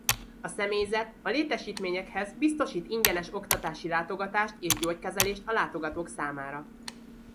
A személyzet a létesítményekhez biztosít ingyenes oktatási látogatást és gyógykezelést a látogatók számára.